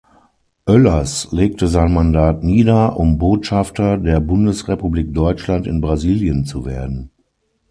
Oellers legte sein Mandat nieder, um Botschafter der Bundesrepublik Deutschland in Brasilien zu werden.